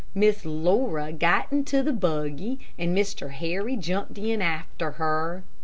Miss Laura got into the buggy and Mr. Harry jumped in after her.